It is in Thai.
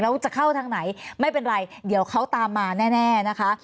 แล้วจะเข้าทางไหนไม่เป็นไรเดี๋ยวเขาตามมาแน่นะคะ